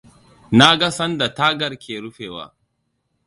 Na ga sanda tagar ke rufewa.